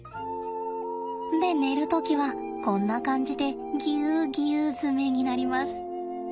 で寝る時はこんな感じでぎゅうぎゅう詰めになります。